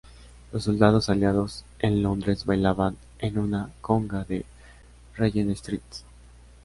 Los soldados Aliados en Londres bailaban en una conga en Regent Street.